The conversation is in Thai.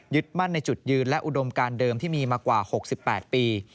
มั่นในจุดยืนและอุดมการเดิมที่มีมากว่า๖๘ปี